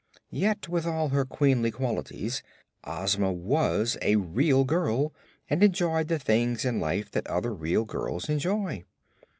Yet with all her queenly qualities Ozma was a real girl and enjoyed the things in life that other real girls enjoy.